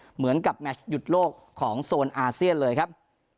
เหมือนกับแมชหยุดโลกของโซนอาเซียนเลยครับ